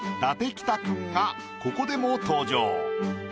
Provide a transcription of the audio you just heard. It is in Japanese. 北くんがここでも登場。